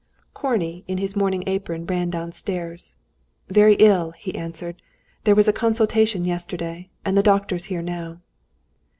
Korney in his morning apron ran downstairs. "Very ill," he answered. "There was a consultation yesterday, and the doctor's here now."